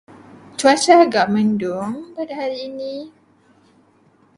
Cuaca agak mendung pada hari ini.